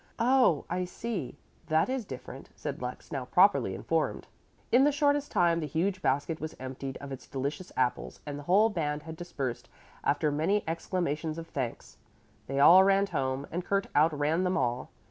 "Oh, I see, that is different," said Lux, now properly informed. In the shortest time the huge basket was emptied of its delicious apples and the whole band had dispersed after many exclamations of thanks. They all ran home and Kurt outran them all.